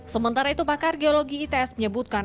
sementara itu pakar geologi its menyebutkan